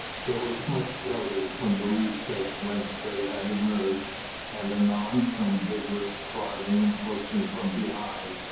There was much shouting from the recess whence they had emerged, and anon some vigorous prodding and pushing from behind.